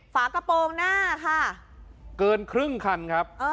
ฝากระโปรงหน้าค่ะเกินครึ่งคันครับ